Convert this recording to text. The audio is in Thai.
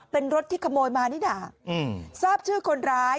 เป็นรถที่ขโมยมานี่น่ะทราบชื่อคนร้าย